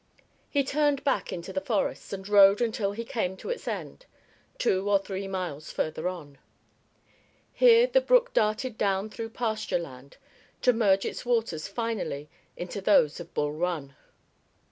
He turned back into the forest, and rode until he came to its end, two or three miles further on. Here the brook darted down through pasture land to merge its waters finally into those of Bull Run.